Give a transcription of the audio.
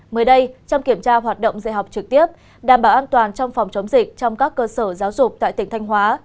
mới đây trong kiểm tra hoạt động dạy học trực tiếp đảm bảo an toàn trong phòng chống dịch trong các cơ sở giáo dục tại tỉnh thanh hóa